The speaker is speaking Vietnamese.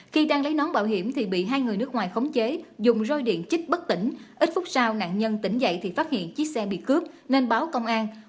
khi đang lấy nón bảo hiểm thì bị hai người nước ngoài khống chế dùng roi điện chích bất tỉnh ít phút sau nạn nhân tỉnh dậy thì phát hiện chiếc xe bị cướp nên báo công an